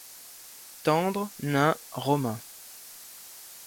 Tendre, nain romain